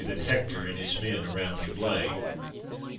That Hector and his men around him lay!